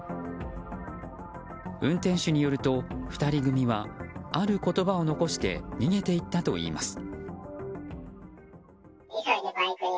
運転手によると２人組はある言葉を残して逃げて行ったといいます。